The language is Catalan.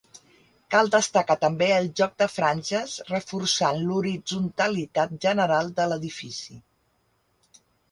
Cal destacar també el joc de franges reforçant l'horitzontalitat general de l'edifici.